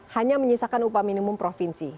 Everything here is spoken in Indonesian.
hanya menyisakan upah minimum provinsi